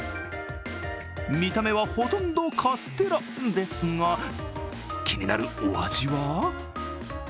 見た目はほとんどカステラですが、気になるお味は？